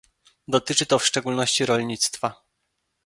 Dotyczy to w szczególności rolnictwa